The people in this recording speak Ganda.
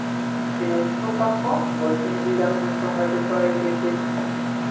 Kino okituukako ng'osinziira ku nsonga ze twayogeddeko.